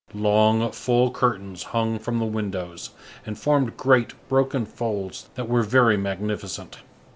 Long, full curtains hung from the windows, and formed great, broken folds that were very magnificent.